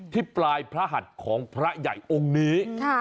ที่ปลายพระหัดของพระใหญ่องค์นี้